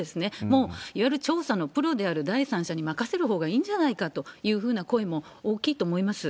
もう、いわゆる調査のプロである第三者に任せるほうがいいんじゃないかというふうな声も大きいと思います。